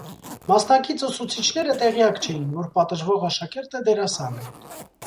Մասնակից «ուսուցիչները» տեղյակ չէին, որ պատժվող «աշակերտը» դերասան է։